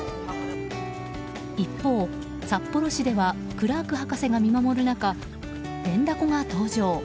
一方、札幌市ではクラーク博士が見守る中連だこが登場。